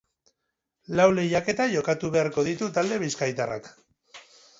Lau lehiaketa jokatu beharko ditu talde bizkaitarrak.